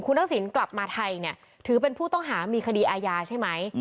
ทักษิณกลับมาไทยเนี่ยถือเป็นผู้ต้องหามีคดีอาญาใช่ไหม